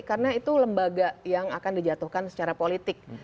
karena itu lembaga yang akan dijatuhkan secara politik